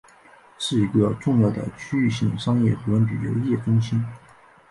是一个重要的区域性商业和旅游业中心。